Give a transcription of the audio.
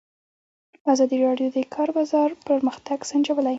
ازادي راډیو د د کار بازار پرمختګ سنجولی.